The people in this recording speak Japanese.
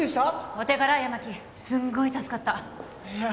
お手柄八巻すんごい助かったいや